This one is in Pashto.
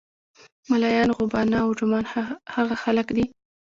ملایان، غوبانه او ډمان هغه خلک دي.